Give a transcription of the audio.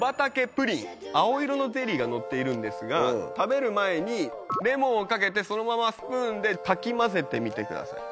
青色のゼリーが載っているんですが食べる前にレモンをかけてそのままスプーンでかき混ぜてみてください。